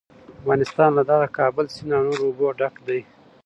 افغانستان له دغه کابل سیند او نورو اوبو ډک دی.